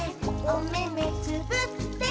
「おめめつぶって」